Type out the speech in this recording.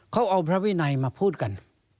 เขาเอาพระวินัยมาพูดกัน